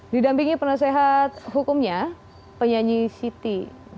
didampingi penasehat hukumnya penyanyi siti